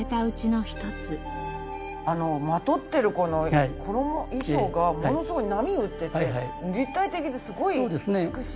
あのまとってるこの衣衣装がものすごい波打ってて立体的ですごい美しい。